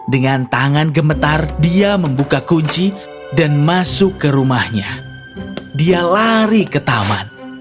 dengan tangan gemetar dia membuka kunci dan masuk ke rumahnya dia lari ke taman